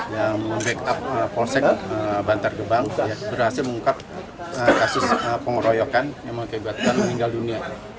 yang membackup polsek bantar gebang berhasil mengungkap kasus pengeroyokan yang mengakibatkan meninggal dunia